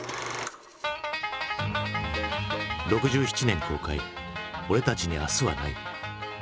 ６７年公開「俺たちに明日はない」。